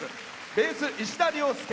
ベース、石田良典。